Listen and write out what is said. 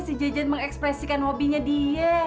si jajan mengekspresikan hobinya dia